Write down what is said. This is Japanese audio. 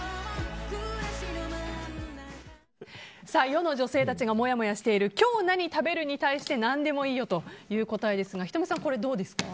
世の女性たちがもやもやしている今日何食べる？に対して何でもいいよという答えですが仁美さん、どうですか？